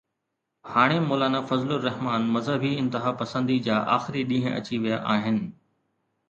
هاڻي مولانا فضل الرحمان مذهبي انتهاپسندي جا آخري ڏينهن اچي ويا آهن